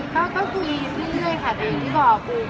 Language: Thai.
เข้าใจสิครับต้องเข้าใจค่ะ